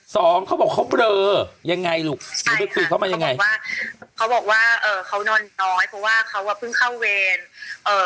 สองเขาบอกเขาเบลอยังไงลูกใช่ค่ะเขาบอกว่าเขานอนน้อยเพราะว่าเขาว่าเพิ่งเข้าเวร